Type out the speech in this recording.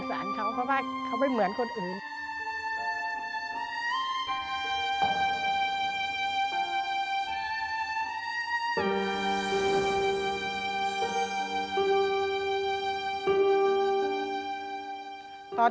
คือหนึ่งจริงน่าสงสัยทั้ง๖วัน